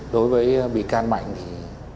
đối với bị can mạnh thì